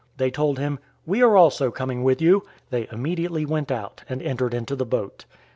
They told him, "We are also coming with you." They immediately went out, and entered into the boat.